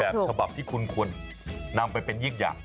เป็นแบบสบับที่คุณควรนำไปเป็นอีกอย่าง